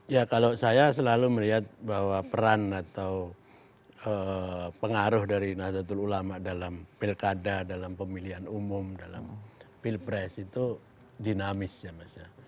ya kalau saya selalu melihat bahwa peran atau pengaruh dari nazatul ulama dalam pilkada dalam pemilihan umum dalam pilpres itu dinamis ya mas ya